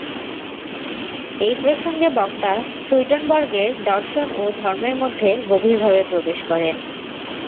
এই প্রসঙ্গে বক্তা সুইডনবর্গের দর্শন ও ধর্মের মধ্যে গভীরভাবে প্রবেশ করেন।